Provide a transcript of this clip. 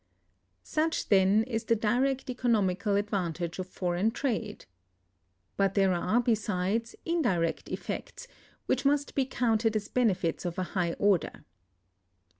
Such, then, is the direct economical advantage of foreign trade. But there are, besides, indirect effects, which must be counted as benefits of a high order.